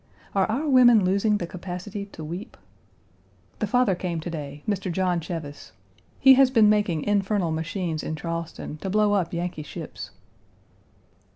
Are our women losing the capacity to weep? The father came to day, Mr. John Cheves. He has been making infernal machines in Charleston to blow up Yankee ships.